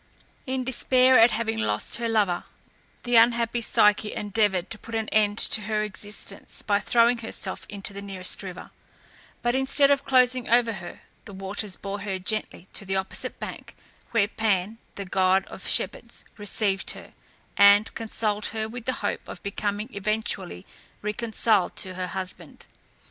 In despair at having lost her lover, the unhappy Psyche endeavoured to put an end to her existence by throwing herself into the nearest river; but instead of closing over her, the waters bore her gently to the opposite bank, where Pan (the god of shepherds) received her, and consoled her with the hope of becoming eventually reconciled to her husband.